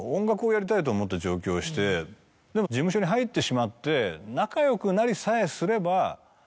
事務所に入ってしまって。